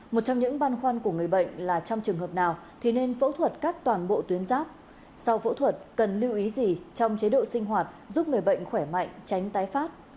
một trong những băn khoăn của người bệnh là trong trường hợp nào thì nên phẫu thuật cắt toàn bộ tuyến giáp sau phẫu thuật cần lưu ý gì trong chế độ sinh hoạt giúp người bệnh khỏe mạnh tránh tái phát